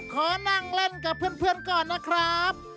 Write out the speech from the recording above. ขอนั่งเล่นกับเพื่อนก่อนนะครับ